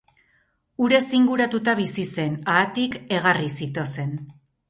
Urez inguratuta bizi zen, haatik, egarriz ito zen.